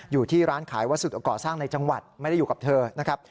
อยู่ที่ร้านขายวัสดุก่อสร้างในจังหวัดไม่ได้อยู่กับเธอนะครับ